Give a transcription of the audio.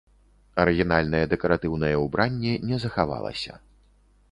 Арыгінальнае дэкаратыўнае ўбранне не захавалася.